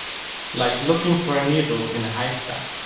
Like looking for a needle in a haystack.